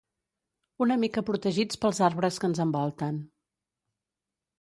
una mica protegits pels arbres que ens envolten